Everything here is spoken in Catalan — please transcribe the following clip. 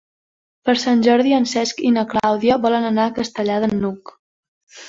Per Sant Jordi en Cesc i na Clàudia volen anar a Castellar de n'Hug.